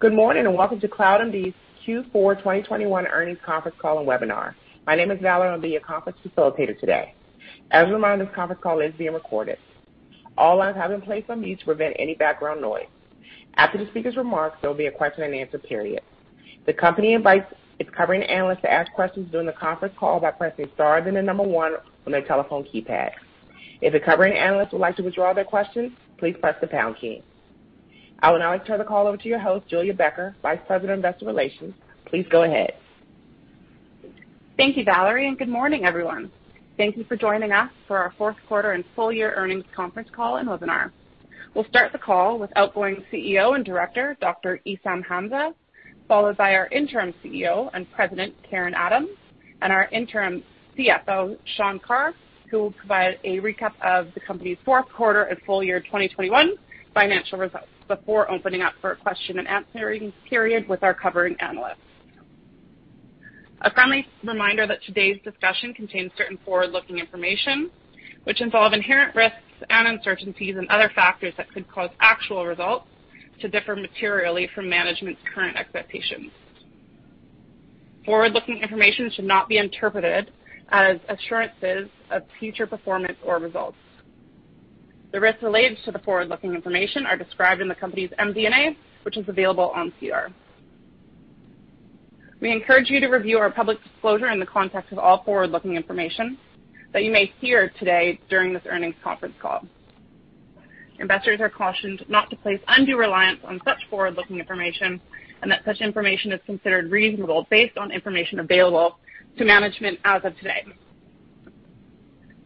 Good morning, and welcome to CloudMD's Q4 2021 Earnings conference call and webinar. My name is Valerie. I'll be your conference facilitator today. As a reminder, this conference call is being recorded. All lines have been placed on mute to prevent any background noise. After the speaker's remarks, there'll be a question and answer period. The company invites its covering analysts to ask questions during the conference call by pressing star, then the number one on their telephone keypad. If a covering analyst would like to withdraw their questions, please press the pound key. I would now like to turn the call over to your host, Julia Becker, Vice President of Investor Relations. Please go ahead. Thank you, Valerie, and good morning, everyone. Thank you for joining us for our fourth quarter and full year earnings conference call and webinar. We'll start the call with Outgoing CEO and Director, Dr. Essam Hamza, followed by our Interim CEO and President, Karen Adams, and our Interim CFO, Sean Carr, who will provide a recap of the company's fourth quarter and full year 2021 financial results before opening up for a question and answer period with our covering analysts. A friendly reminder that today's discussion contains certain forward-looking information which involve inherent risks and uncertainties and other factors that could cause actual results to differ materially from management's current expectations. Forward-looking information should not be interpreted as assurances of future performance or results. The risks related to the forward-looking information are described in the company's MD&A, which is available on SEDAR. We encourage you to review our public disclosure in the context of all forward-looking information that you may hear today during this earnings conference call. Investors are cautioned not to place undue reliance on such forward-looking information and that such information is considered reasonable based on information available to management as of today.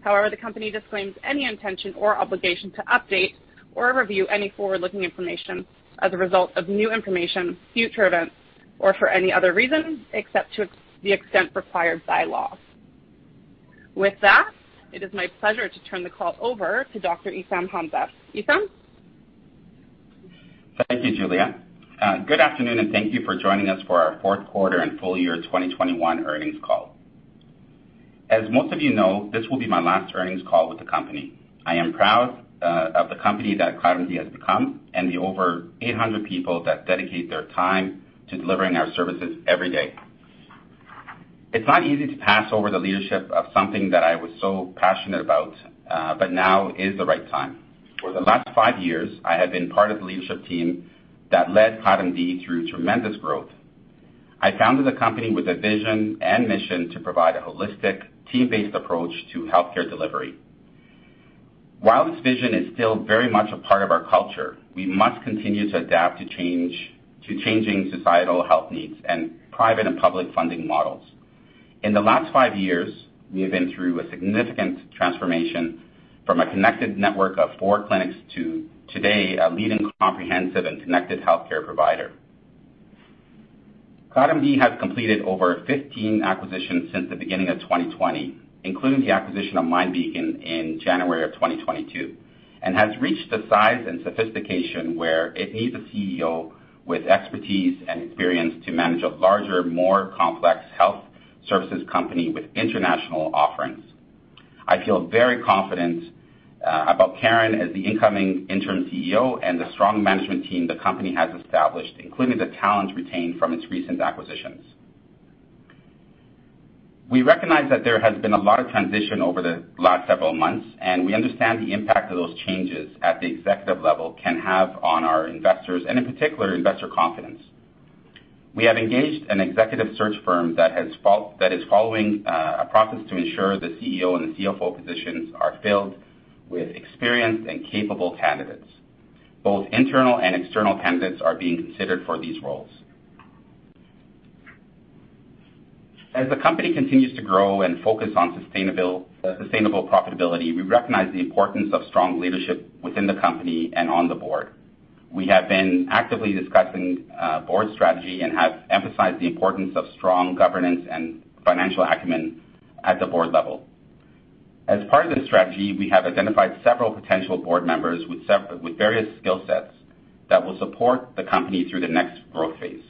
However, the company disclaims any intention or obligation to update or review any forward-looking information as a result of new information, future events, or for any other reason, except to the extent required by law. With that, it is my pleasure to turn the call over to Dr. Essam Hamza. Essam? Thank you, Julia. Good afternoon and thank you for joining us for our fourth quarter and full year 2021 earnings call. As most of you know, this will be my last earnings call with the company. I am proud, of the company that CloudMD has become and the over 800 people that dedicate their time to delivering our services every day. It's not easy to pass over the leadership of something that I was so passionate about, but now is the right time. For the last five years, I have been part of the leadership team that led CloudMD through tremendous growth. I founded the company with a vision and mission to provide a holistic team-based approach to healthcare delivery. While this vision is still very much a part of our culture, we must continue to adapt to change, to changing societal health needs and private and public funding models. In the last five years, we have been through a significant transformation from a connected network of four clinics to today a leading comprehensive and connected healthcare provider. CloudMD has completed over 15 acquisitions since the beginning of 2020, including the acquisition of MindBeacon in January 2022, and has reached the size and sophistication where it needs a CEO with expertise and experience to manage a larger, more complex health services company with international offerings. I feel very confident about Karen as the incoming interim CEO and the strong management team the company has established, including the talents retained from its recent acquisitions. We recognize that there has been a lot of transition over the last several months, and we understand the impact of those changes at the executive level can have on our investors and, in particular, investor confidence. We have engaged an executive search firm that is following a process to ensure the CEO and the CFO positions are filled with experienced and capable candidates. Both internal and external candidates are being considered for these roles. As the company continues to grow and focus on sustainable profitability, we recognize the importance of strong leadership within the company and on the board. We have been actively discussing board strategy and have emphasized the importance of strong governance and financial acumen at the board level. As part of this strategy, we have identified several potential board members with various skill sets that will support the company through the next growth phase.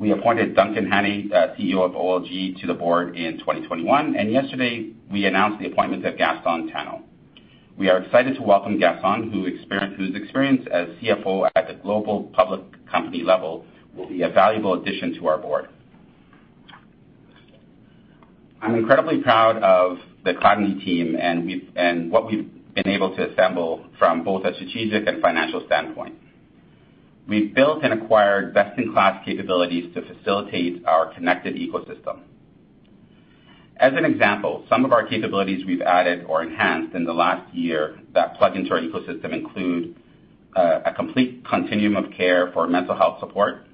We appointed Duncan Hannay, CEO of OLG, to the board in 2021, and yesterday we announced the appointment of Gaston Tano. We are excited to welcome Gaston, whose experience as CFO at the global public company level will be a valuable addition to our board. I'm incredibly proud of the CloudMD team and what we've been able to assemble from both a strategic and financial standpoint. We've built and acquired best-in-class capabilities to facilitate our connected ecosystem. As an example, some of our capabilities we've added or enhanced in the last year that plug into our ecosystem include a complete continuum of care for mental health support,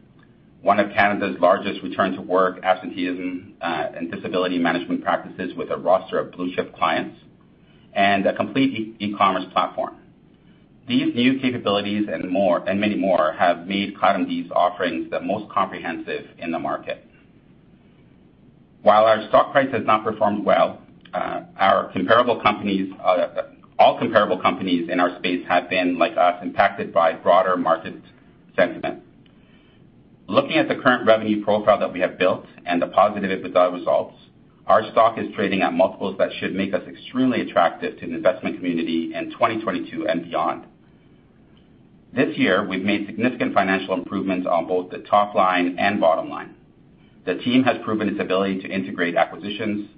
one of Canada's largest return to work absenteeism and disability management practices with a roster of blue chip clients and a complete e-commerce platform. These new capabilities and more and many more have made CloudMD's offerings the most comprehensive in the market. While our stock price has not performed well, our comparable companies, all comparable companies in our space have been, like us, impacted by broader market sentiment. Looking at the current revenue profile that we have built and the positive EBITDA results, our stock is trading at multiples that should make us extremely attractive to the investment community in 2022 and beyond. This year, we've made significant financial improvements on both the top line and bottom line. The team has proven its ability to integrate acquisitions,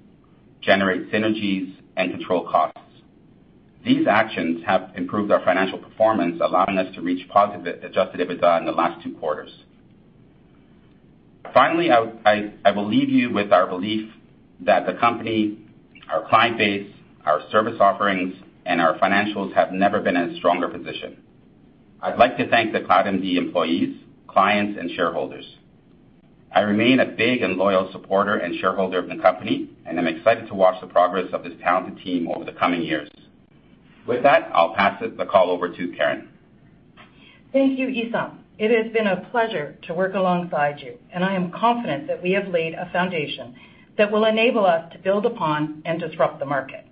generate synergies, and control costs. These actions have improved our financial performance, allowing us to reach positive adjusted EBITDA in the last two quarters. Finally, I will leave you with our belief that the company, our client base, our service offerings, and our financials have never been in a stronger position. I'd like to thank the CloudMD employees, clients, and shareholders. I remain a big and loyal supporter and shareholder of the company, and I'm excited to watch the progress of this talented team over the coming years. With that, I'll pass the call over to Karen. Thank you, Essam. It has been a pleasure to work alongside you, and I am confident that we have laid a foundation that will enable us to build upon and disrupt the market.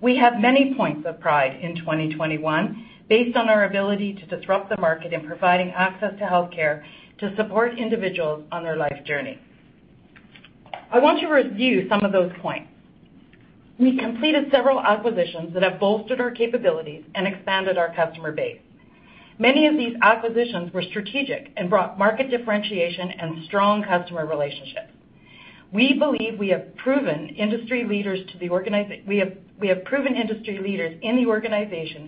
We have many points of pride in 2021 based on our ability to disrupt the market in providing access to healthcare to support individuals on their life journey. I want to review some of those points. We completed several acquisitions that have bolstered our capabilities and expanded our customer base. Many of these acquisitions were strategic and brought market differentiation and strong customer relationships. We believe we have proven industry leaders in the organization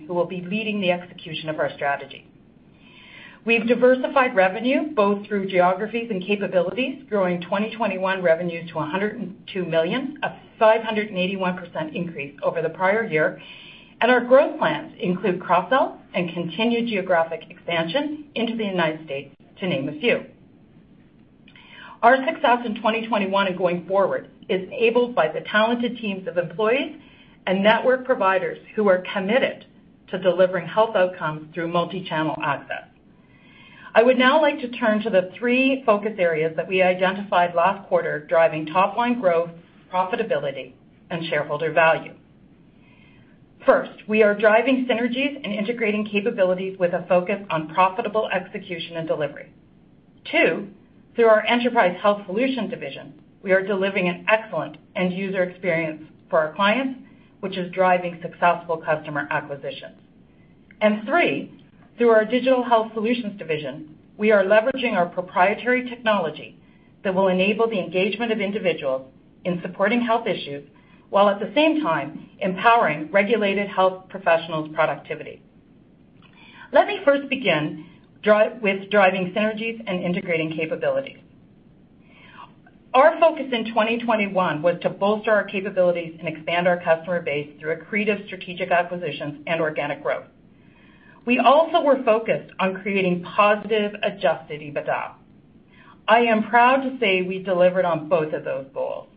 who will be leading the execution of our strategy. We've diversified revenue, both through geographies and capabilities, growing 2021 revenue to 102 million, a 581% increase over the prior year. Our growth plans include cross-sell and continued geographic expansion into the United States, to name a few. Our success in 2021 and going forward is enabled by the talented teams of employees and network providers who are committed to delivering health outcomes through multichannel access. I would now like to turn to the three focus areas that we identified last quarter, driving top-line growth, profitability, and shareholder value. First, we are driving synergies and integrating capabilities with a focus on profitable execution and delivery. Two, through our Enterprise Health Solutions division, we are delivering an excellent end user experience for our clients, which is driving successful customer acquisitions. Three, through our Digital Health Solutions division, we are leveraging our proprietary technology that will enable the engagement of individuals in supporting health issues while at the same time empowering regulated health professionals' productivity. Let me first begin with driving synergies and integrating capabilities. Our focus in 2021 was to bolster our capabilities and expand our customer base through accretive strategic acquisitions and organic growth. We also were focused on creating positive adjusted EBITDA. I am proud to say we delivered on both of those goals.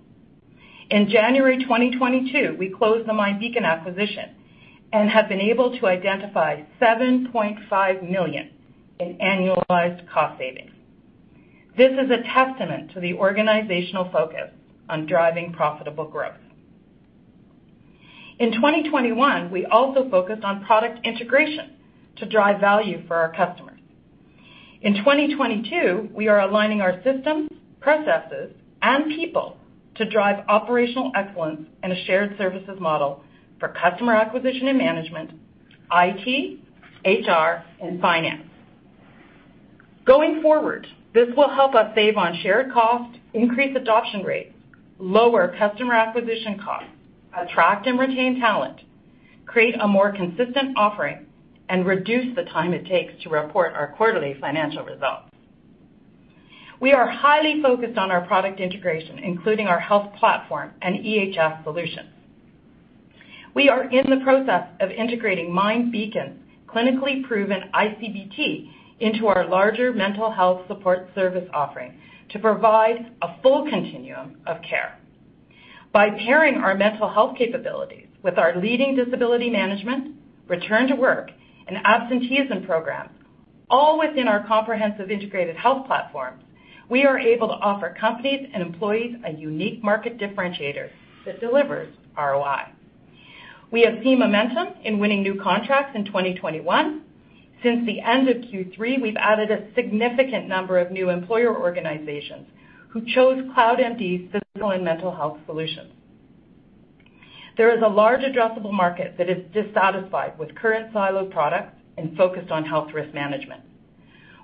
In January 2022, we closed the MindBeacon acquisition and have been able to identify 7.5 million in annualized cost savings. This is a testament to the organizational focus on driving profitable growth. In 2021, we also focused on product integration to drive value for our customers. In 2022, we are aligning our systems, processes, and people to drive operational excellence in a shared services model for customer acquisition and management, IT, HR, and finance. Going forward, this will help us save on shared costs, increase adoption rates, lower customer acquisition costs, attract and retain talent, create a more consistent offering, and reduce the time it takes to report our quarterly financial results. We are highly focused on our product integration, including our health platform and EHS solutions. We are in the process of integrating MindBeacon's clinically proven ICBT into our larger mental health support service offering to provide a full continuum of care. By pairing our mental health capabilities with our leading disability management, return to work, and absenteeism programs, all within our comprehensive integrated health platform, we are able to offer companies and employees a unique market differentiator that delivers ROI. We have seen momentum in winning new contracts in 2021. Since the end of Q3, we've added a significant number of new employer organizations who chose CloudMD's physical and mental health solutions. There is a large addressable market that is dissatisfied with current siloed products and focused on health risk management.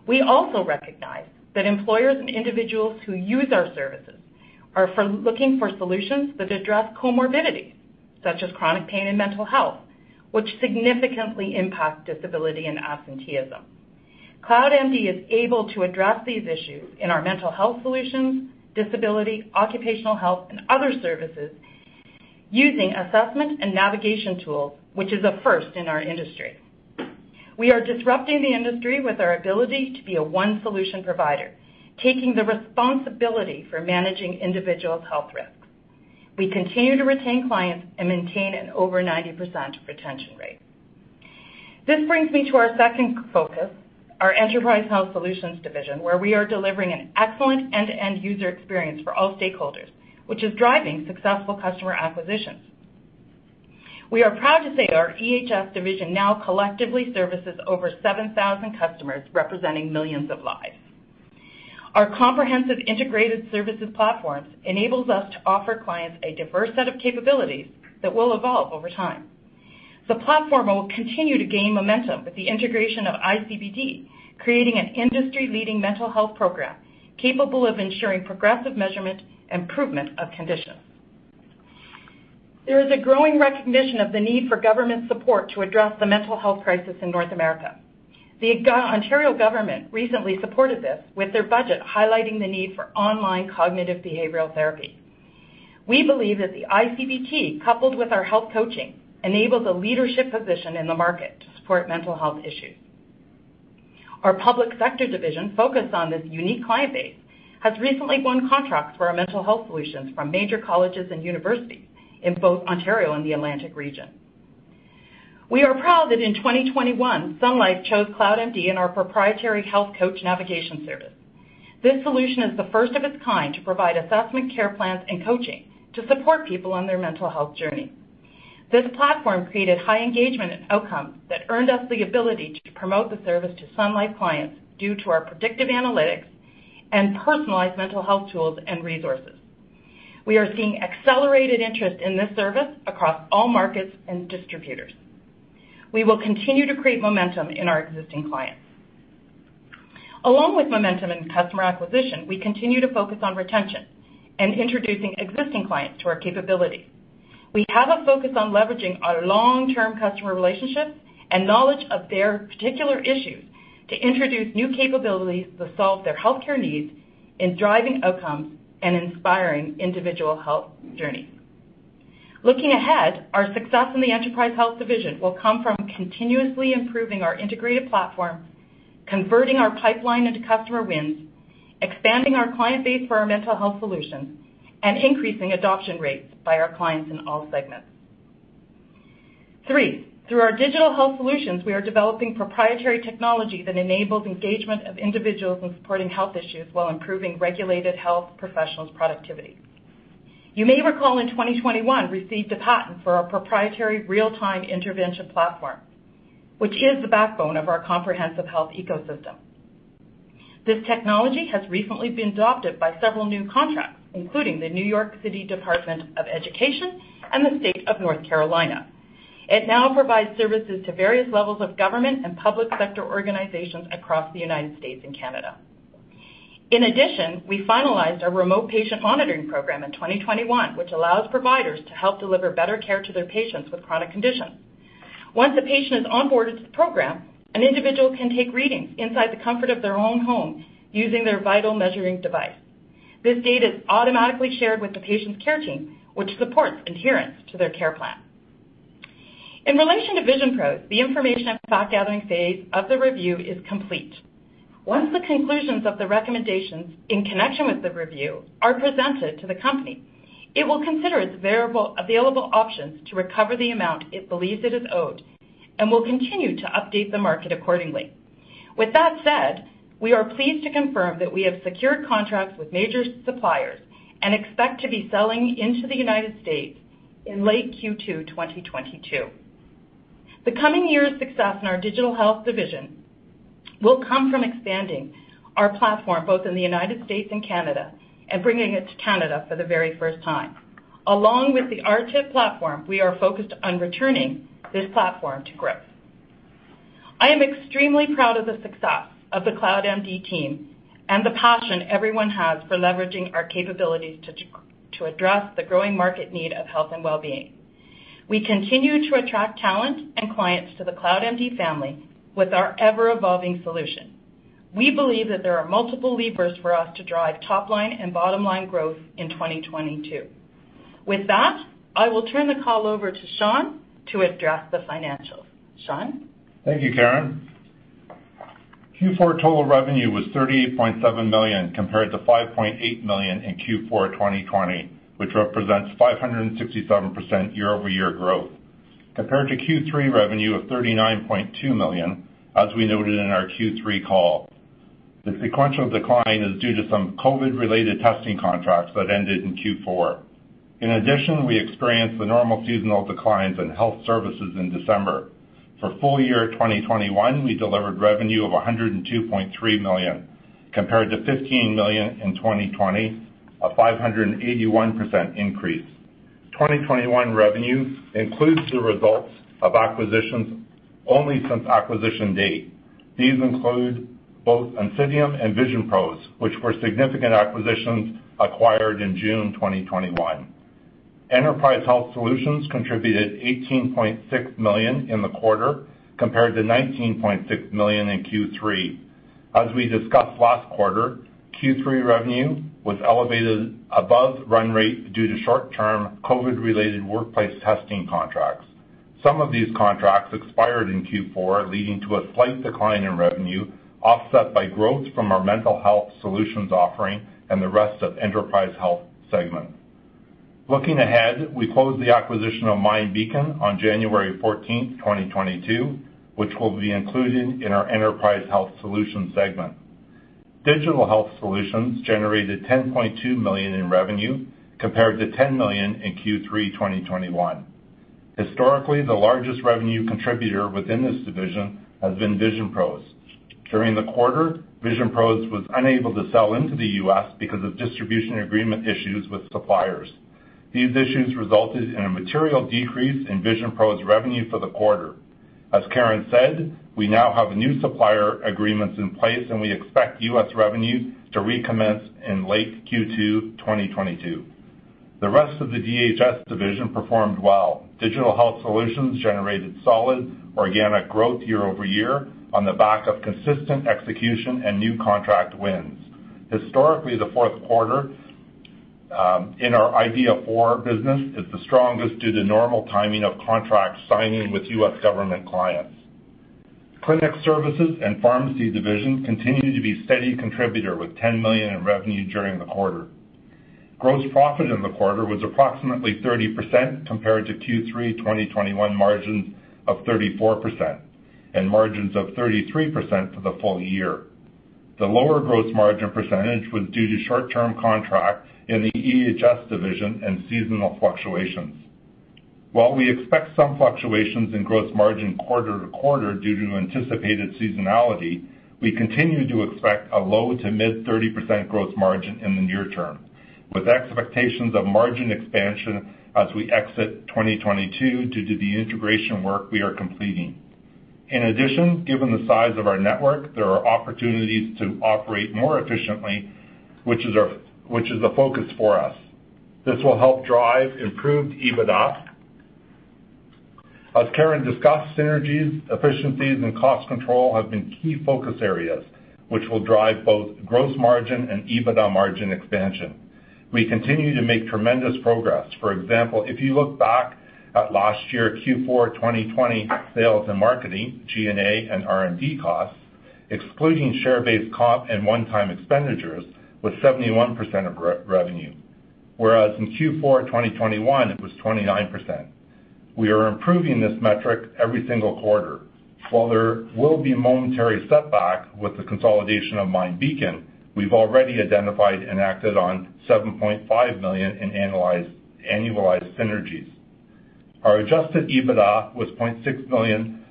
We also recognize that employers and individuals who use our services are looking for solutions that address comorbidity, such as chronic pain and mental health, which significantly impact disability and absenteeism. CloudMD is able to address these issues in our mental health solutions, disability, occupational health, and other services using assessment and navigation tools, which is a first in our industry. We are disrupting the industry with our ability to be a one solution provider, taking the responsibility for managing individuals' health risks. We continue to retain clients and maintain an over 90% retention rate. This brings me to our second focus, our Enterprise Health Solutions division, where we are delivering an excellent end-to-end user experience for all stakeholders, which is driving successful customer acquisitions. We are proud to say our EHS division now collectively services over 7,000 customers representing millions of lives. Our comprehensive integrated services platforms enables us to offer clients a diverse set of capabilities that will evolve over time. The platform will continue to gain momentum with the integration of ICBT, creating an industry-leading mental health program capable of ensuring progressive measurement, improvement of conditions. There is a growing recognition of the need for government support to address the mental health crisis in North America. The Ontario government recently supported this with their budget, highlighting the need for online cognitive behavioral therapy. We believe that the ICBT, coupled with our health coaching, enables a leadership position in the market to support mental health issues. Our public sector division focused on this unique client base, has recently won contracts for our mental health solutions from major colleges and universities in both Ontario and the Atlantic region. We are proud that in 2021, Sun Life chose CloudMD in our proprietary health coach navigation service. This solution is the first of its kind to provide assessment, care plans, and coaching to support people on their mental health journey. This platform created high engagement and outcomes that earned us the ability to promote the service to Sun Life clients due to our predictive analytics and personalized mental health tools and resources. We are seeing accelerated interest in this service across all markets and distributors. We will continue to create momentum in our existing clients. Along with momentum in customer acquisition, we continue to focus on retention and introducing existing clients to our capabilities. We have a focus on leveraging our long-term customer relationships and knowledge of their particular issues to introduce new capabilities to solve their healthcare needs in driving outcomes and inspiring individual health journeys. Looking ahead, our success in the enterprise health division will come from continuously improving our integrated platform, converting our pipeline into customer wins, expanding our client base for our mental health solutions, and increasing adoption rates by our clients in all segments. Three, through our digital health solutions, we are developing proprietary technology that enables engagement of individuals in supporting health issues while improving regulated health professionals' productivity. You may recall in 2021, received a patent for our proprietary real-time intervention platform, which is the backbone of our comprehensive health ecosystem. This technology has recently been adopted by several new contracts, including the New York City Department of Education and the State of North Carolina. It now provides services to various levels of government and public sector organizations across the United States and Canada. In addition, we finalized our remote patient monitoring program in 2021, which allows providers to help deliver better care to their patients with chronic conditions. Once a patient is onboarded to the program, an individual can take readings inside the comfort of their own home using their vital measuring device. This data is automatically shared with the patient's care team, which supports adherence to their care plan. In relation to VisionPros, the information and fact-gathering phase of the review is complete. Once the conclusions of the recommendations in connection with the review are presented to the company, it will consider its available options to recover the amount it believes it is owed and will continue to update the market accordingly. With that said, we are pleased to confirm that we have secured contracts with major suppliers and expect to be selling into the United States in late Q2 2022. The coming year's success in our digital health division will come from expanding our platform, both in the United States and Canada, and bringing it to Canada for the very first time. Along with the RTIP platform, we are focused on returning this platform to growth. I am extremely proud of the success of the CloudMD team and the passion everyone has for leveraging our capabilities to address the growing market need of health and wellbeing. We continue to attract talent and clients to the CloudMD family with our ever-evolving solution. We believe that there are multiple levers for us to drive top line and bottom line growth in 2022. With that, I will turn the call over to Sean to address the financials. Sean? Thank you, Karen. Q4 total revenue was 38.7 million compared to 5.8 million in Q4 2020, which represents 567% year-over-year growth. Compared to Q3 revenue of 39.2 million, as we noted in our Q3 call, the sequential decline is due to some COVID-related testing contracts that ended in Q4. In addition, we experienced the normal seasonal declines in health services in December. For full year 2021, we delivered revenue of 102.3 million, compared to 15 million in 2020, a 581% increase. 2021 revenue includes the results of acquisitions only since acquisition date. These include both Oncidium and VisionPros, which were significant acquisitions acquired in June 2021. Enterprise Health Solutions contributed 18.6 million in the quarter, compared to 19.6 million in Q3. As we discussed last quarter, Q3 revenue was elevated above run rate due to short-term COVID-related workplace testing contracts. Some of these contracts expired in Q4, leading to a slight decline in revenue, offset by growth from our mental health solutions offering and the rest of Enterprise Health Solutions segment. Looking ahead, we closed the acquisition of MindBeacon on January 14, 2022, which will be included in our Enterprise Health Solutions segment. Digital Health Solutions generated 10.2 million in revenue compared to 10 million in Q3 2021. Historically, the largest revenue contributor within this division has been VisionPros. During the quarter, VisionPros was unable to sell into the U.S. because of distribution agreement issues with suppliers. These issues resulted in a material decrease in VisionPros revenue for the quarter. As Karen said, we now have new supplier agreements in place, and we expect U.S. revenue to recommence in late Q2 2022. The rest of the DHS division performed well. Digital Health Solutions generated solid organic growth year-over-year on the back of consistent execution and new contract wins. Historically, the fourth quarter in our IDYA4 business is the strongest due to normal timing of contract signing with U.S. government clients. Clinic Services and Pharmacy Division continue to be a steady contributor with 10 million in revenue during the quarter. Gross profit in the quarter was approximately 30% compared to Q3 2021 margins of 34% and margins of 33% for the full year. The lower gross margin percentage was due to short-term contract in the EHS division and seasonal fluctuations. While we expect some fluctuations in gross margin quarter-to-quarter due to anticipated seasonality, we continue to expect a low- to mid-30% gross margin in the near term, with expectations of margin expansion as we exit 2022 due to the integration work we are completing. In addition, given the size of our network, there are opportunities to operate more efficiently, which is a focus for us. This will help drive improved EBITDA. As Karen discussed, synergies, efficiencies, and cost control have been key focus areas, which will drive both gross margin and EBITDA margin expansion. We continue to make tremendous progress. For example, if you look back at last year, Q4 2020 sales and marketing, G&A, and R&D costs, excluding share-based comp and one-time expenditures, was 71% of revenue, whereas in Q4 2021, it was 29%. We are improving this metric every single quarter. While there will be momentary setbacks with the consolidation of MindBeacon, we've already identified and acted on 7.5 million in annualized synergies. Our adjusted EBITDA was 0.6 million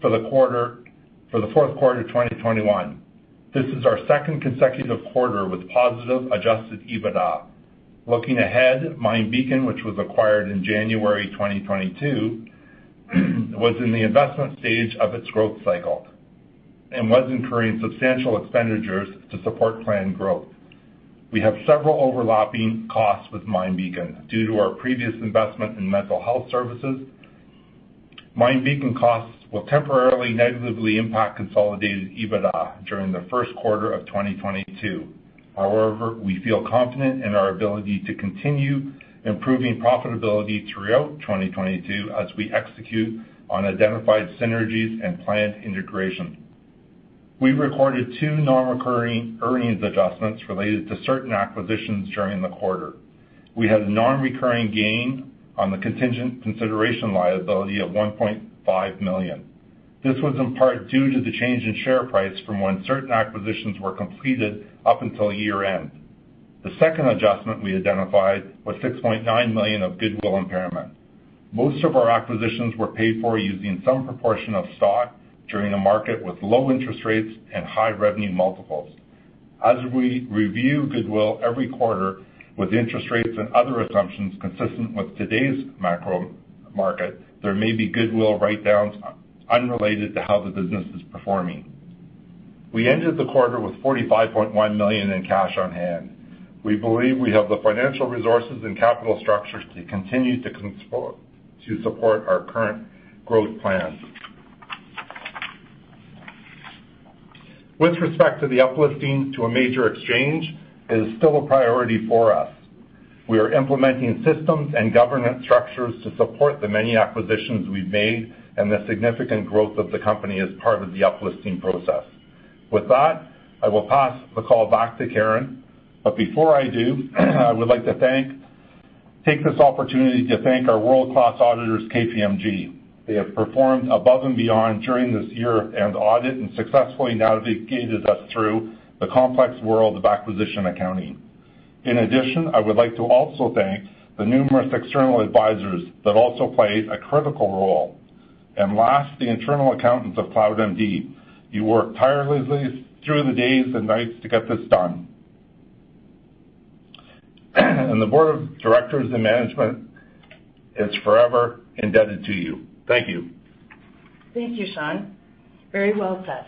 for the fourth quarter 2021. This is our second consecutive quarter with positive adjusted EBITDA. Looking ahead, MindBeacon, which was acquired in January 2022, was in the investment stage of its growth cycle and was incurring substantial expenditures to support planned growth. We have several overlapping costs with MindBeacon due to our previous investment in mental health services. MindBeacon costs will temporarily negatively impact consolidated EBITDA during the first quarter of 2022. However, we feel confident in our ability to continue improving profitability throughout 2022 as we execute on identified synergies and planned integration. We recorded two non-recurring earnings adjustments related to certain acquisitions during the quarter. We had a non-recurring gain on the contingent consideration liability of 1.5 million. This was in part due to the change in share price from when certain acquisitions were completed up until year-end. The second adjustment we identified was 6.9 million of goodwill impairment. Most of our acquisitions were paid for using some proportion of stock during a market with low interest rates and high revenue multiples. As we review goodwill every quarter with interest rates and other assumptions consistent with today's macro market, there may be goodwill write-downs unrelated to how the business is performing. We ended the quarter with 45.1 million in cash on hand. We believe we have the financial resources and capital structures to continue to support our current growth plans. With respect to the uplisting to a major exchange is still a priority for us. We are implementing systems and governance structures to support the many acquisitions we've made and the significant growth of the company as part of the uplisting process. With that, I will pass the call back to Karen. Before I do, I would like to take this opportunity to thank our world-class auditors, KPMG. They have performed above and beyond during this year-end audit and successfully navigated us through the complex world of acquisition accounting. In addition, I would like to also thank the numerous external advisors that also played a critical role. Last, the internal accountants of CloudMD. You worked tirelessly through the days and nights to get this done. The board of directors and management is forever indebted to you. Thank you. Thank you, Sean. Very well said.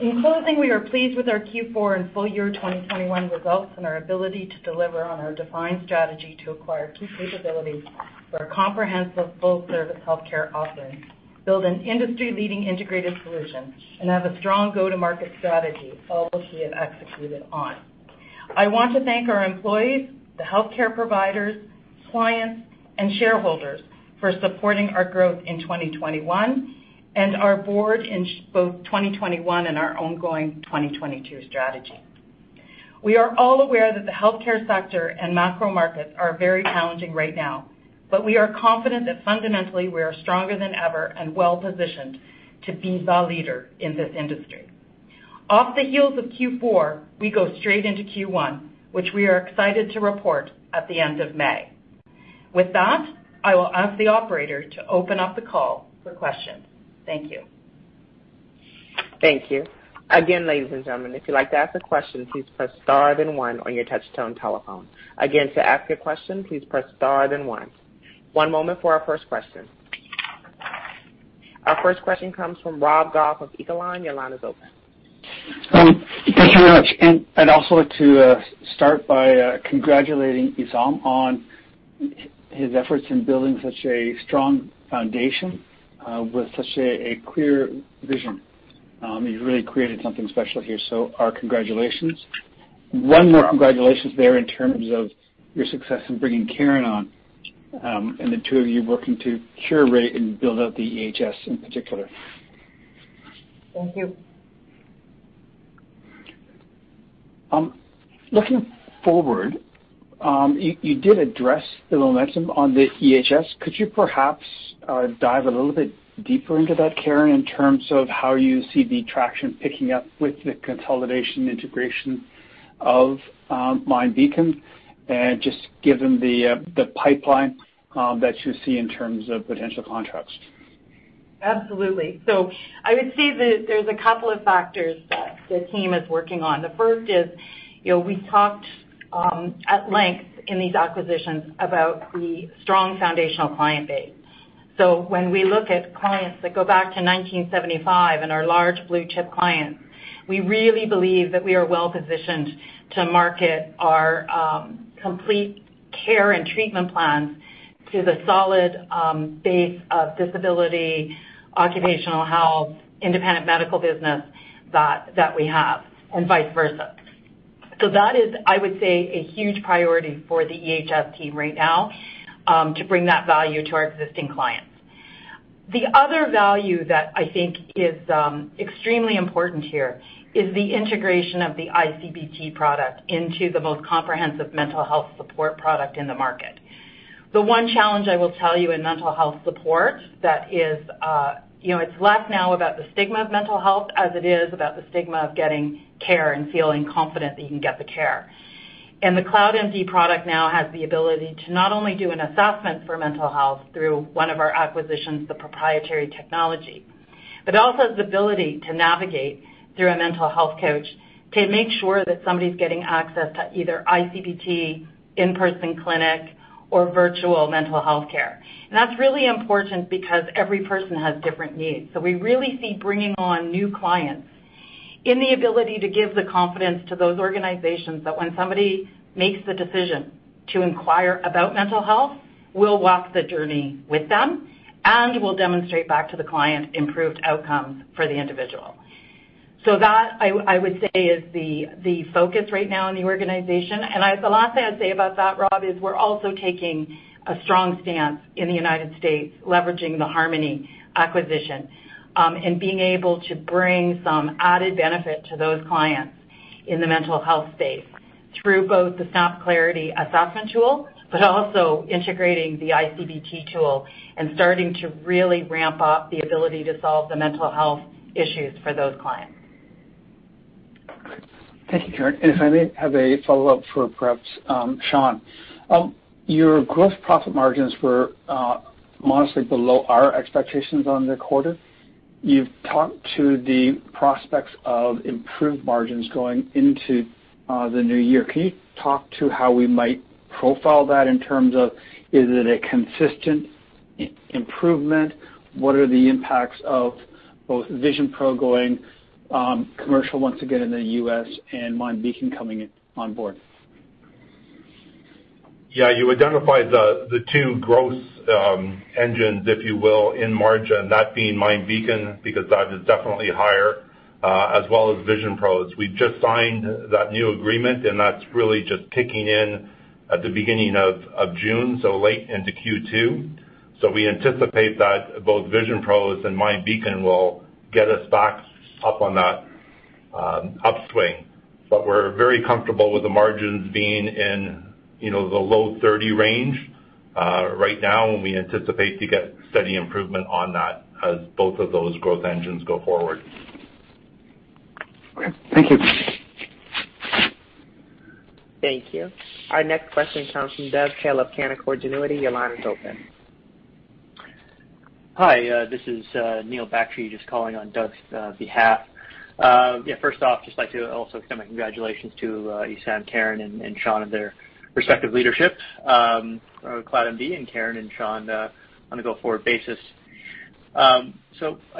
In closing, we are pleased with our Q4 and full year 2021 results and our ability to deliver on our defined strategy to acquire key capabilities for a comprehensive full-service healthcare offering, build an industry-leading integrated solution, and have a strong go-to-market strategy, all which we have executed on. I want to thank our employees, the healthcare providers, clients, and shareholders for supporting our growth in 2021 and our board in both 2021 and our ongoing 2022 strategy. We are all aware that the healthcare sector and macro markets are very challenging right now, but we are confident that fundamentally we are stronger than ever and well-positioned to be the leader in this industry. Off the heels of Q4, we go straight into Q1, which we are excited to report at the end of May. With that, I will ask the operator to open up the call for questions. Thank you. Thank you. Again, ladies and gentlemen, if you'd like to ask a question, please press star then one on your touchtone telephone. Again, to ask a question, please press star then one. One moment for our first question. Our first question comes from Rob Goff of Echelon Wealth Partners. Your line is open. Thank you very much. I'd also like to start by congratulating Essam on his efforts in building such a strong foundation with such a clear vision. You've really created something special here. Our congratulations. One more congratulations there in terms of your success in bringing Karen on, and the two of you working to curate and build out the EHS in particular. Thank you. Looking forward, you did address the momentum on the EHS. Could you perhaps dive a little bit deeper into that, Karen, in terms of how you see the traction picking up with the consolidation integration of MindBeacon? Just given the pipeline that you see in terms of potential contracts. Absolutely. I would say that there's a couple of factors that the team is working on. The first is, you know, we talked at length in these acquisitions about the strong foundational client base. When we look at clients that go back to 1975 and our large blue chip clients, we really believe that we are well-positioned to market our complete care and treatment plans to the solid base of disability, occupational health, independent medical business that we have, and vice versa. That is, I would say, a huge priority for the EHS team right now to bring that value to our existing clients. The other value that I think is extremely important here is the integration of the ICBT product into the most comprehensive mental health support product in the market. The one challenge I will tell you in mental health support that is, it's less now about the stigma of mental health as it is about the stigma of getting care and feeling confident that you can get the care. The CloudMD product now has the ability to not only do an assessment for mental health through one of our acquisitions, the proprietary technology, but also has the ability to navigate through a mental health coach to make sure that somebody's getting access to either ICBT, in-person clinic, or virtual mental health care. That's really important because every person has different needs. We really see bringing on new clients in the ability to give the confidence to those organizations that when somebody makes the decision to inquire about mental health, we'll walk the journey with them, and we'll demonstrate back to the client improved outcomes for the individual. That I would say is the focus right now in the organization. The last thing I'd say about that, Rob, is we're also taking a strong stance in the United States, leveraging the Harmony acquisition, and being able to bring some added benefit to those clients in the mental health space through both the Snapclarity assessment tool, but also integrating the ICBT tool and starting to really ramp up the ability to solve the mental health issues for those clients. Thank you, Karen. If I may have a follow-up for perhaps Sean. Your gross profit margins were modestly below our expectations on the quarter. You've talked to the prospects of improved margins going into the new year. Can you talk to how we might profile that in terms of is it a consistent improvement? What are the impacts of both VisionPros going commercial once again in the U.S. and MindBeacon coming on board? Yeah. You identified the two gross margin engines, if you will, that being MindBeacon, because that is definitely higher as well as VisionPros's. We've just signed that new agreement, and that's really just kicking in at the beginning of June, so late into Q2. We anticipate that both VisionPros's and MindBeacon will get us back up on that upswing. We're very comfortable with the margins being in, you know, the low 30% range right now, and we anticipate to get steady improvement on that as both of those growth engines go forward. Okay. Thank you. Thank you. Our next question comes from Doug Taylor, Canaccord Genuity. Your line is open. Hi, this is Neil Bakshi just calling on Doug's behalf. Yeah, first off, just like to also send my congratulations to Essam, Karen, and Sean and their respective leadership, CloudMD and Karen and Sean on a go-forward basis. I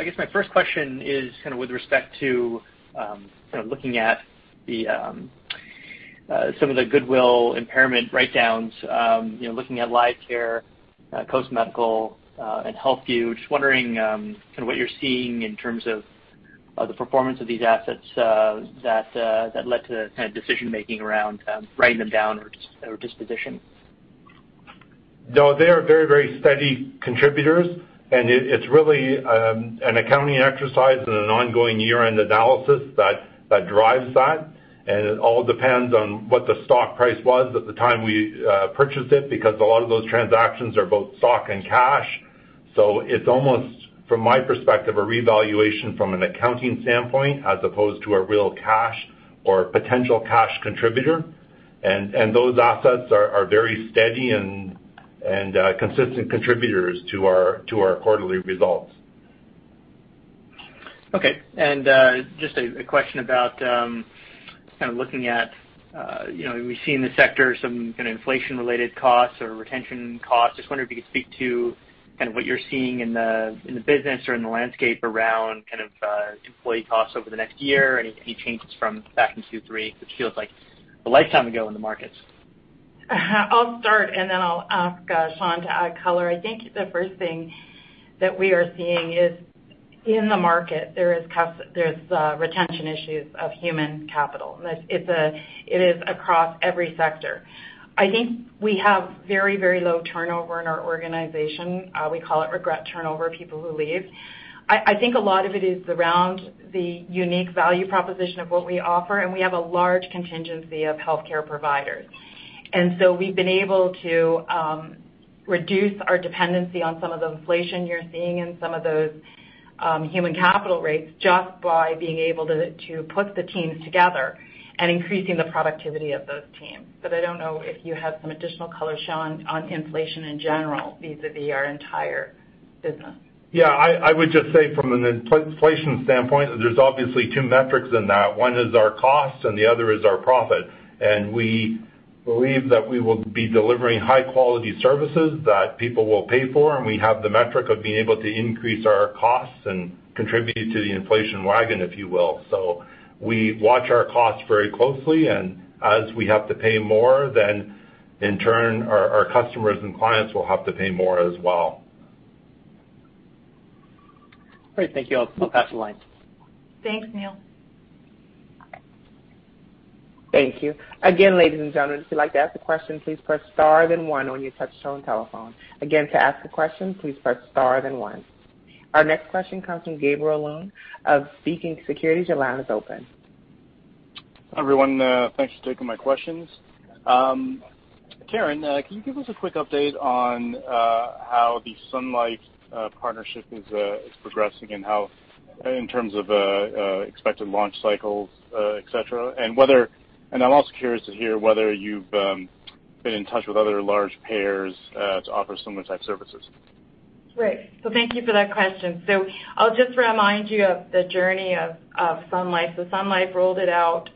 guess my first question is kind of with respect to kind of looking at some of the goodwill impairment write-downs, you know, looking at Livecare, Coast Medical, and HealthVue. Just wondering kinda what you're seeing in terms of the performance of these assets that led to the kind of decision-making around writing them down or disposition. No, they are very, very steady contributors, and it's really, an accounting exercise and an ongoing year-end analysis that drives that. It all depends on what the stock price was at the time we purchased it because a lot of those transactions are both stock and cash. It's almost, from my perspective, a revaluation from an accounting standpoint as opposed to a real cash or potential cash contributor. Those assets are very steady and consistent contributors to our quarterly results. Okay. Just a question about kind of looking at, you know, we see in the sector some kinda inflation-related costs or retention costs. Just wondering if you could speak to kind of what you're seeing in the business or in the landscape around kind of employee costs over the next year, any changes from back in 2023, which feels like a lifetime ago in the markets. I'll start, and then I'll ask Sean to add color. I think the first thing that we are seeing is in the market, there's retention issues of human capital. It is across every sector. I think we have very, very low turnover in our organization. We call it regret turnover, people who leave. I think a lot of it is around the unique value proposition of what we offer, and we have a large contingent of healthcare providers. We've been able to reduce our dependency on some of the inflation you're seeing in some of those human capital rates just by being able to put the teams together and increasing the productivity of those teams. I don't know if you have some additional color, Sean, on inflation in general vis-a-vis our entire business? Yeah. I would just say from an inflation standpoint, there's obviously two metrics in that. One is our cost, and the other is our profit. We believe that we will be delivering high-quality services that people will pay for, and we have the metric of being able to increase our costs and contribute to the inflation wagon, if you will. We watch our costs very closely, and as we have to pay more, then in turn our customers and clients will have to pay more as well. Great. Thank you. I'll pass the line. Thanks, Neil. Thank you. Again, ladies and gentlemen, if you'd like to ask a question, please press star then one on your touchtone telephone. Again, to ask a question, please press star then one. Our next question comes from Gabriel Leung of Beacon Securities. Your line is open. Everyone, thanks for taking my questions. Karen, can you give us a quick update on how the Sun Life partnership is progressing and how in terms of expected launch cycles, et cetera. I'm also curious to hear whether you've been in touch with other large payers to offer similar type services. Great. Thank you for that question. I'll just remind you of the journey of Sun Life. Sun Life rolled it out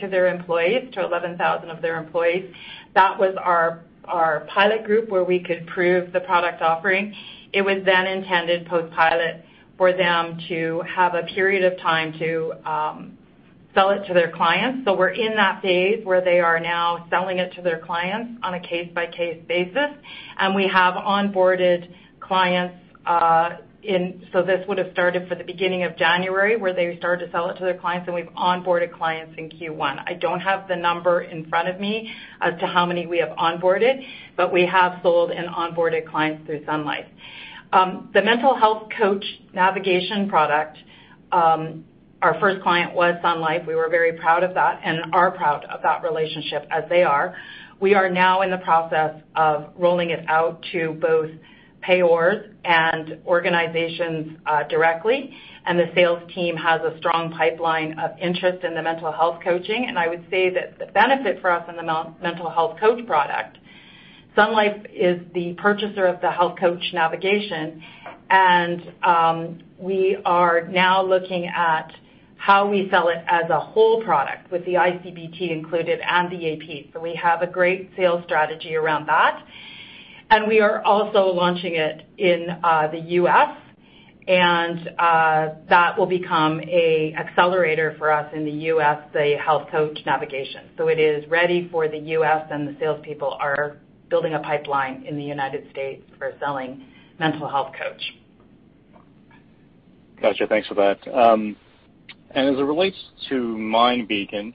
to their employees, to 11,000 of their employees. That was our pilot group where we could prove the product offering. It was then intended post-pilot for them to have a period of time to sell it to their clients. We're in that phase where they are now selling it to their clients on a case-by-case basis. We have onboarded clients. This would've started for the beginning of January, where they started to sell it to their clients, and we've onboarded clients in Q1. I don't have the number in front of me as to how many we have onboarded, but we have sold and onboarded clients through Sun Life. The mental health coach navigation product, our first client was Sun Life. We were very proud of that and are proud of that relationship as they are. We are now in the process of rolling it out to both payers and organizations, directly, and the sales team has a strong pipeline of interest in the mental health coaching. I would say that the benefit for us in the mental health coach product, Sun Life is the purchaser of the health coach navigation, and, we are now looking at how we sell it as a whole product with the ICBT included and the EAP. We have a great sales strategy around that. We are also launching it in the U.S., and, that will become a accelerator for us in the U.S., the health coach navigation. It is ready for the U.S., and the salespeople are building a pipeline in the United States for selling mental health coach. Gotcha. Thanks for that. As it relates to MindBeacon,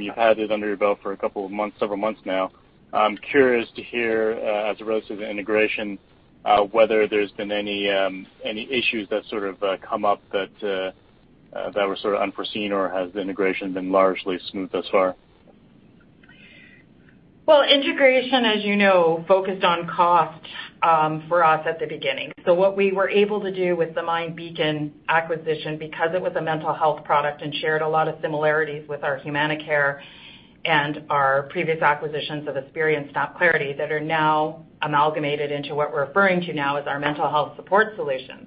you've had it under your belt for a couple of months, several months now. I'm curious to hear, as it relates to the integration, whether there's been any issues that sort of come up that were sort of unforeseen, or has the integration been largely smooth thus far? Well, integration, as you know, focused on cost for us at the beginning. What we were able to do with the MindBeacon acquisition, because it was a mental health product and shared a lot of similarities with our HumanaCare and our previous acquisitions of Snapclarity that are now amalgamated into what we're referring to now as our mental health support solutions.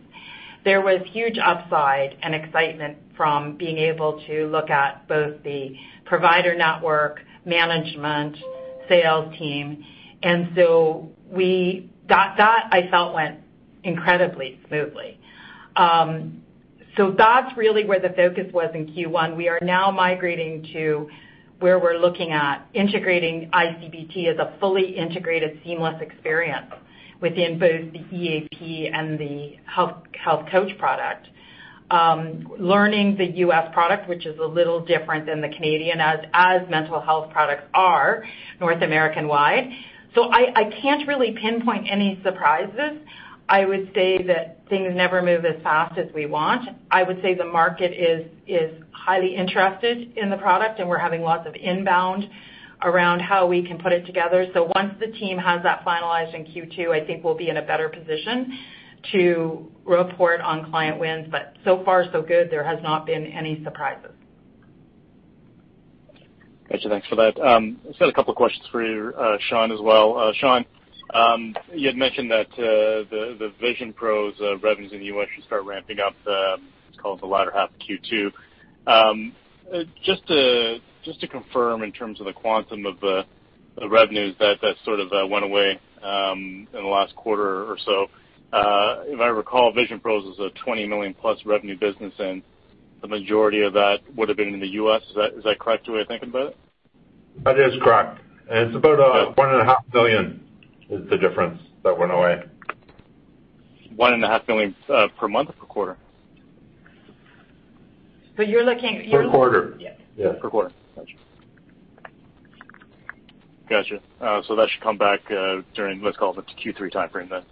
There was huge upside and excitement from being able to look at both the provider network, management, sales team. That I felt went incredibly smoothly. That's really where the focus was in Q1. We are now migrating to where we're looking at integrating ICBT as a fully integrated seamless experience within both the EAP and the health coach product. Learning the U.S. product, which is a little different than the Canadian as mental health products are North American-wide. I can't really pinpoint any surprises. I would say that things never move as fast as we want. I would say the market is highly interested in the product, and we're having lots of inbound around how we can put it together. Once the team has that finalized in Q2, I think we'll be in a better position to report on client wins, but so far so good. There has not been any surprises. Gotcha. Thanks for that. I just had a couple questions for Sean as well. Sean, you had mentioned that the VisionPros's revenues in the US should start ramping up in the latter half of Q2. Just to confirm in terms of the quantum of the revenues that sort of went away in the last quarter or so, if I recall, VisionPros's a $20 million+ revenue business, and the majority of that would've been in the US. Is that the correct way of thinking about it? That is correct. It's about 1.5 million is the difference that went away. 1.5 million per month or per quarter? You're looking- Per quarter. Yeah. Yeah. Per quarter. Gotcha. That should come back during, let's call it the Q3 timeframe then?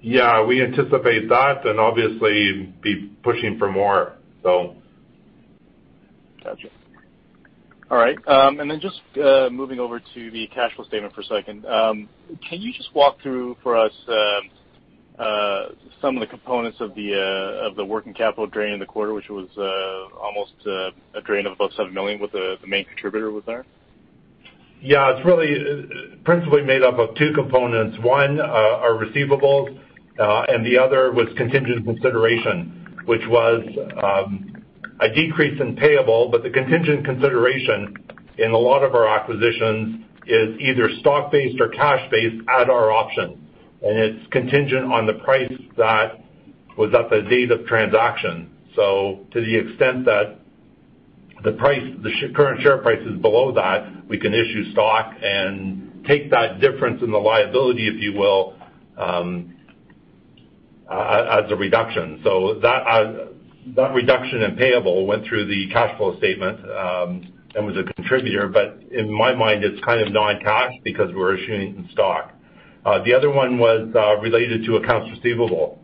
Yeah. We anticipate that and obviously be pushing for more, so. Gotcha. All right, just moving over to the cash flow statement for a second. Can you just walk through for us some of the components of the working capital drain in the quarter, which was almost a drain of about 7 million. What the main contributor was there? Yeah. It's really principally made up of two components. One are receivables, and the other was contingent consideration, which was a decrease in payable. The contingent consideration in a lot of our acquisitions is either stock-based or cash-based at our option, and it's contingent on the price that was at the date of transaction. To the extent that the current share price is below that, we can issue stock and take that difference in the liability, if you will, as a reduction. That reduction in payable went through the cash flow statement and was a contributor, but in my mind, it's kind of non-cash because we're issuing stock. The other one was related to accounts receivable.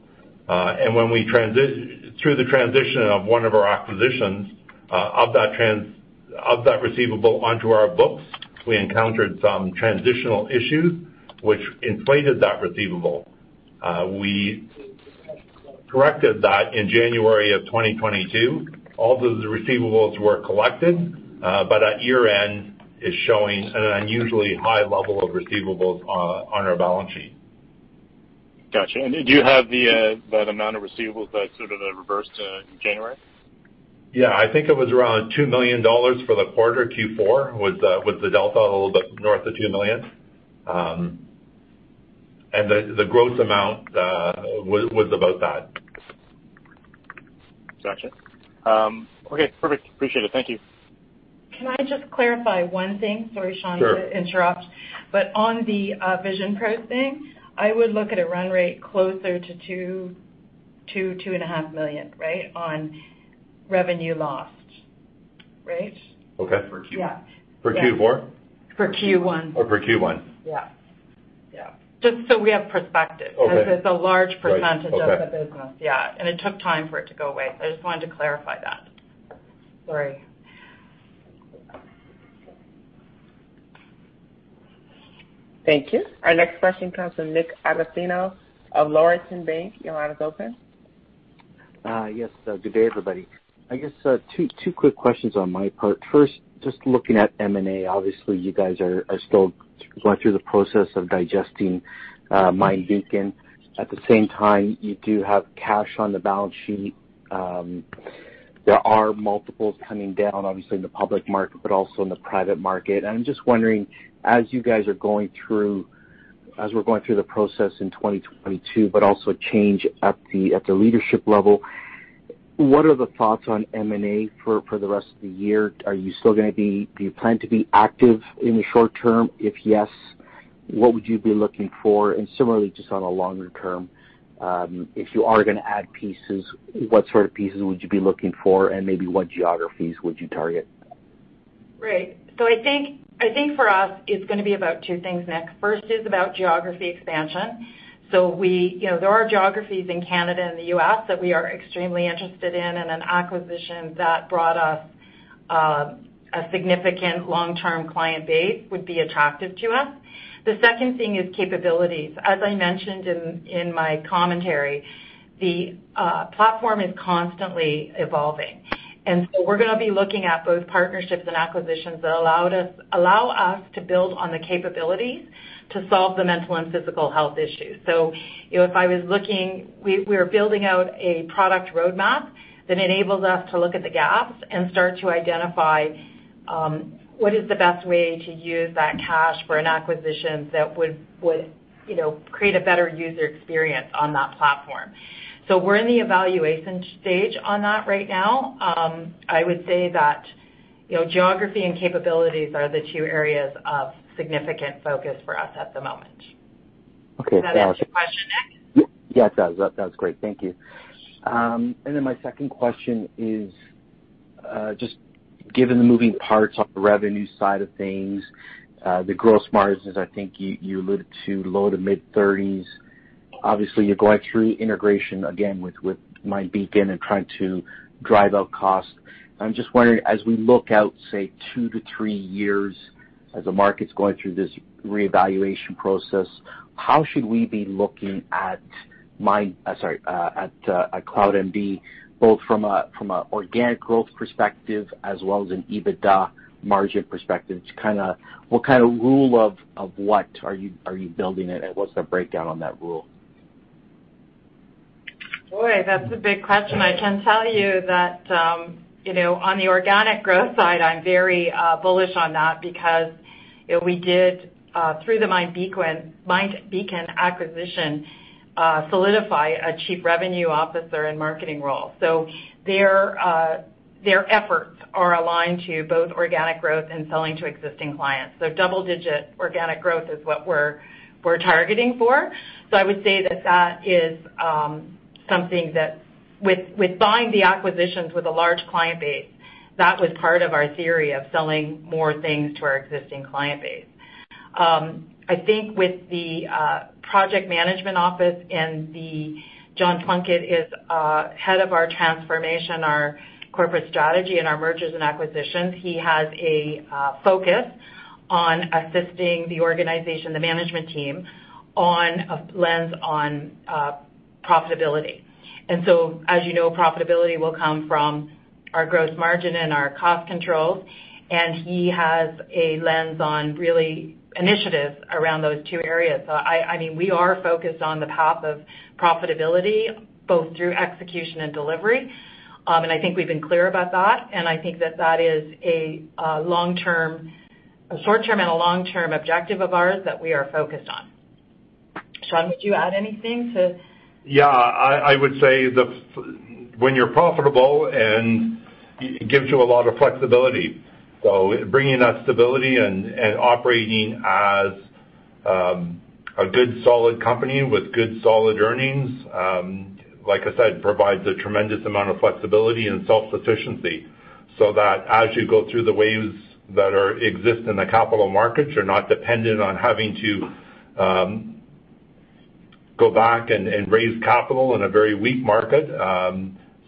When we transitioned through the transition of one of our acquisitions of that receivable onto our books, we encountered some transitional issues which inflated that receivable. We corrected that in January of 2022. All of the receivables were collected, but at year-end is showing an unusually high level of receivables on our balance sheet. Gotcha. Do you have that amount of receivables that sort of reversed in January? Yeah. I think it was around 2 million dollars for the quarter Q4 with the delta a little bit north of CAD 2 million. The gross amount was about that. Gotcha. Okay, perfect. Appreciate it. Thank you. Can I just clarify one thing? Sorry, Sean. Sure. Not to interrupt. On the VisionPros thing, I would look at a run rate closer to $2.2 million-$2.5 million, right? On revenue lost, right? Okay. For Q1. Yeah. For Q4? For Q1. Oh, for Q1. Yeah. Just so we have perspective. Okay. because it's a large percentage. Right. Okay. of the business. Yeah. It took time for it to go away. I just wanted to clarify that. Sorry. Thank you. Our next question comes from Nick Agostino of Laurentian Bank. Your line is open. Yes. Good day, everybody. I guess two quick questions on my part. First, just looking at M&A, obviously, you guys are still going through the process of digesting MindBeacon. At the same time, you do have cash on the balance sheet. There are multiples coming down, obviously in the public market, but also in the private market. I'm just wondering, as we're going through the process in 2022, but also a change at the leadership level, what are the thoughts on M&A for the rest of the year? Do you plan to be active in the short term? If yes, what would you be looking for? Similarly, just on a longer term, if you are gonna add pieces, what sort of pieces would you be looking for, and maybe what geographies would you target? Right. I think for us, it's gonna be about two things, Nick. First is about geography expansion. We, you know, there are geographies in Canada and the U.S. that we are extremely interested in, and an acquisition that brought us a significant long-term client base would be attractive to us. The second thing is capabilities. As I mentioned in my commentary, the platform is constantly evolving, and so we're gonna be looking at both partnerships and acquisitions that allow us to build on the capabilities to solve the mental and physical health issues. You know, we're building out a product roadmap that enables us to look at the gaps and start to identify what is the best way to use that cash for an acquisition that would, you know, create a better user experience on that platform. We're in the evaluation stage on that right now. I would say that, you know, geography and capabilities are the two areas of significant focus for us at the moment. Okay. Does that answer your question, Nick? Yes, that was great. Thank you. Then my second question is, just given the moving parts on the revenue side of things, the gross margins, I think you alluded to low- to mid-30s%. Obviously, you're going through integration again with MindBeacon and trying to drive out costs. I'm just wondering, as we look out, say, two to three years as the market's going through this reevaluation process, how should we be looking at CloudMD, both from a organic growth perspective as well as an EBITDA margin perspective, to kind of what kind of rule of thumb are you building it, and what's the breakdown on that rule? Boy, that's a big question. I can tell you that, you know, on the organic growth side, I'm very bullish on that because, you know, we did through the MindBeacon acquisition solidify a chief revenue officer and marketing role. Their efforts are aligned to both organic growth and selling to existing clients. Double-digit organic growth is what we're targeting for. I would say that is something that with buying the acquisitions with a large client base, that was part of our theory of selling more things to our existing client base. I think with the project management office and John Plunkett is head of our transformation, our corporate strategy, and our mergers and acquisitions. He has a focus on assisting the organization, the management team on a lens on profitability. As you know, profitability will come from our gross margin and our cost controls. He has a lens on real initiatives around those two areas. I mean, we are focused on the path of profitability both through execution and delivery. I think we've been clear about that, and I think that is a short-term and a long-term objective of ours that we are focused on. Sean, would you add anything to? Yeah. I would say when you're profitable and it gives you a lot of flexibility. Bringing that stability and operating as a good, solid company with good, solid earnings, like I said, provides a tremendous amount of flexibility and self-sufficiency, so that as you go through the waves that exist in the capital markets, you're not dependent on having to go back and raise capital in a very weak market.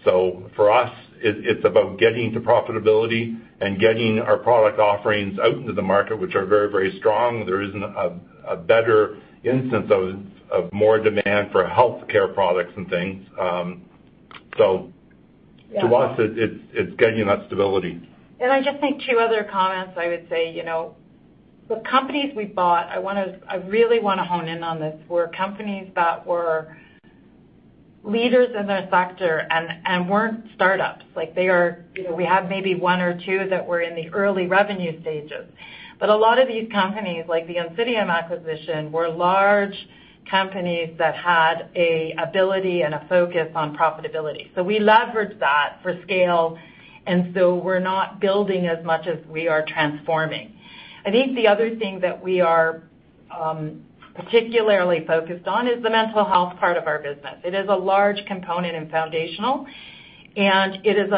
For us, it's about getting to profitability and getting our product offerings out into the market, which are very, very strong. There isn't a better instance of more demand for healthcare products and things. Yeah. To us, it's getting that stability. I just think two other comments I would say, you know, the companies we bought, I really wanna hone in on this, were companies that were leaders in their sector and weren't startups. Like, they are, you know, we had maybe one or two that were in the early revenue stages. A lot of these companies, like the Oncidium acquisition, were large companies that had an ability and a focus on profitability. We leveraged that for scale, and we're not building as much as we are transforming. I think the other thing that we are particularly focused on is the mental health part of our business. It is a large component and foundational, and it is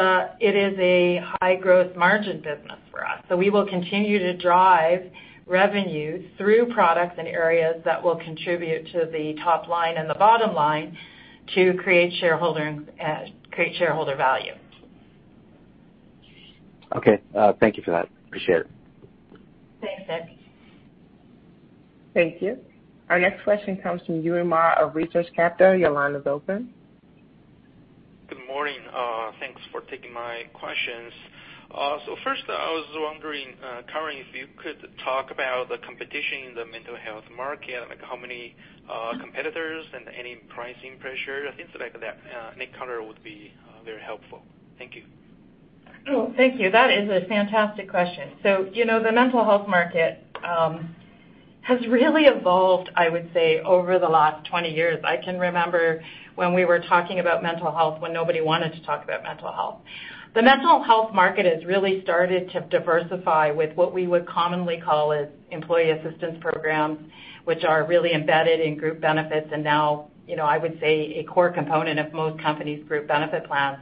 a high growth margin business for us. We will continue to drive revenue through products in areas that will contribute to the top line and the bottom line to create shareholder value. Okay. Thank you for that. Appreciate it. Thanks, Nick. Thank you. Our next question comes from Toby Ma of Research Capital. Your line is open. Good morning. Thanks for taking my questions. First, I was wondering, Karen, if you could talk about the competition in the mental health market, like how many competitors and any pricing pressure, things like that, any color would be very helpful. Thank you. Thank you. That is a fantastic question. You know, the mental health market has really evolved, I would say, over the last 20 years. I can remember when we were talking about mental health when nobody wanted to talk about mental health. The mental health market has really started to diversify with what we would commonly call as employee assistance programs, which are really embedded in group benefits and now, you know, I would say a core component of most companies' group benefit plans.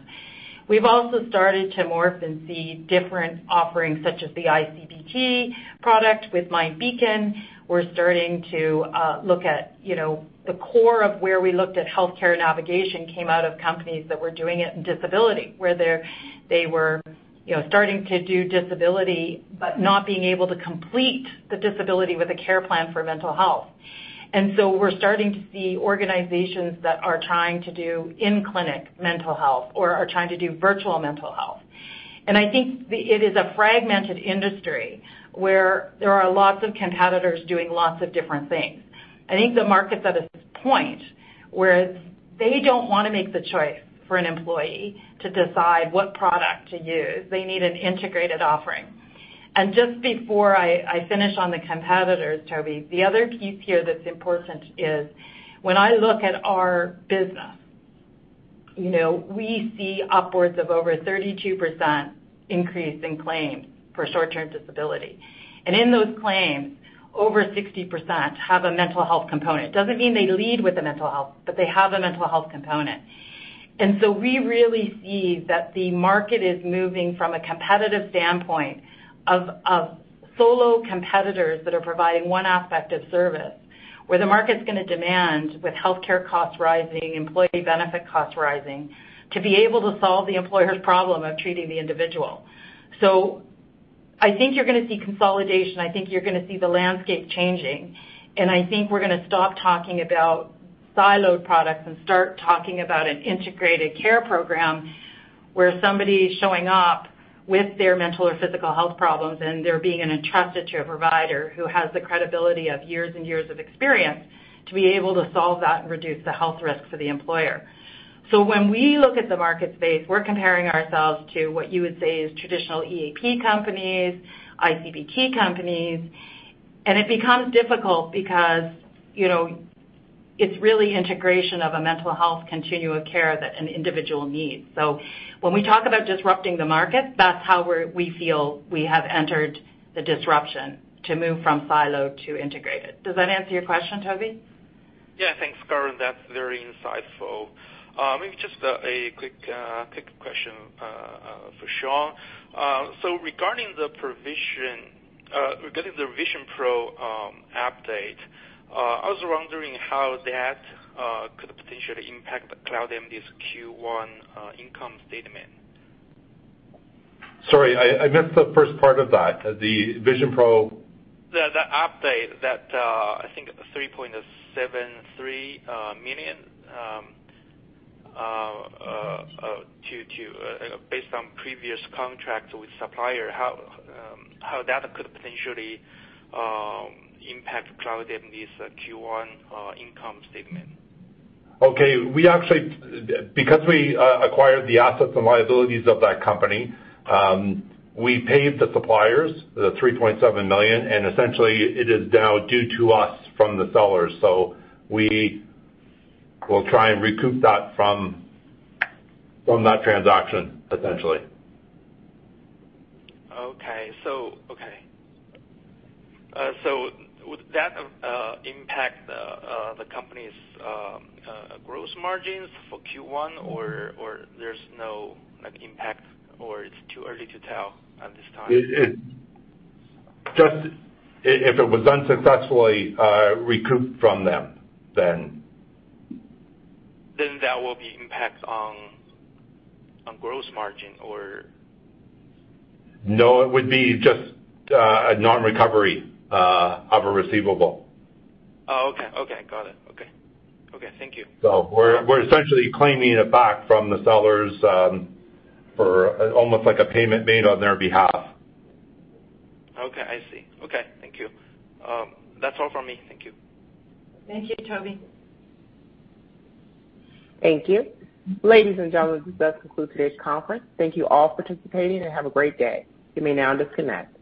We've also started to morph and see different offerings such as the ICBT product with MindBeacon. We're starting to look at the core of where we looked at healthcare navigation came out of companies that were doing it in disability, where they were starting to do disability but not being able to complete the disability with a care plan for mental health. We're starting to see organizations that are trying to do in-clinic mental health or are trying to do virtual mental health. I think it is a fragmented industry where there are lots of competitors doing lots of different things. I think the market's at a point where they don't wanna make the choice for an employee to decide what product to use. They need an integrated offering. Just before I finish on the competitors, Toby, the other piece here that's important is when I look at our business. You know, we see upwards of over 32% increase in claims for short-term disability. In those claims, over 60% have a mental health component. Doesn't mean they lead with the mental health, but they have a mental health component. We really see that the market is moving from a competitive standpoint of solo competitors that are providing one aspect of service, where the market's gonna demand with healthcare costs rising, employee benefit costs rising, to be able to solve the employer's problem of treating the individual. I think you're gonna see consolidation. I think you're gonna see the landscape changing, and I think we're gonna stop talking about siloed products and start talking about an integrated care program where somebody showing up with their mental or physical health problems, and they're being entrusted to a provider who has the credibility of years and years of experience to be able to solve that and reduce the health risk for the employer. When we look at the market space, we're comparing ourselves to what you would say is traditional EAP companies, ICBT companies. It becomes difficult because, you know, it's really integration of a mental health continuum care that an individual needs. When we talk about disrupting the market, that's how we feel we have entered the disruption to move from silo to integrated. Does that answer your question, Toby? Yeah. Thanks, Karen. That's very insightful. Maybe just a quick question for Sean. Regarding the VisionPros update, I was wondering how that could potentially impact CloudMD's Q1 income statement. Sorry, I missed the first part of that. The VisionPros. The update that I think the 3.73 million based on previous contracts with supplier, how that could potentially impact CloudMD's Q1 income statement. Because we acquired the assets and liabilities of that company, we paid the suppliers 3.7 million, and essentially it is now due to us from the sellers. We will try and recoup that from that transaction, essentially. Would that impact the company's gross margins for Q1 or there's no impact or it's too early to tell at this time? Just if it was unsuccessfully recouped from them then. that will be impact on gross margin or? No, it would be just a non-recovery of a receivable. Oh, okay. Got it. Okay, thank you. We're essentially claiming it back from the sellers, for almost like a payment made on their behalf. Okay, I see. Okay, thank you. That's all from me. Thank you. Thank you, Toby. Thank you. Ladies and gentlemen, this does conclude today's conference. Thank you all for participating and have a great day. You may now disconnect.